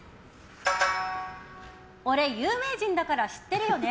「俺、有名人だから知ってるよね？」